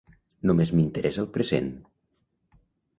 Només m'interessa el present.